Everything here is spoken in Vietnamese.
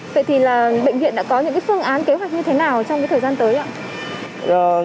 vậy thì là bệnh viện đã có những phương án kế hoạch như thế nào trong cái thời gian tới ạ